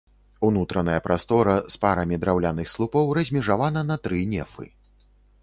Унутраная прастора з парамі драўляных слупоў размежавана на тры нефы.